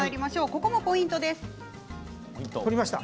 ここもポイントです。